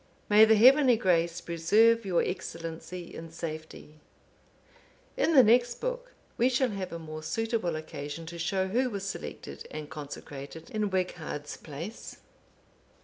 May the Heavenly Grace preserve your Excellency in safety!" In the next book we shall have a more suitable occasion to show who was selected and consecrated in Wighard's place.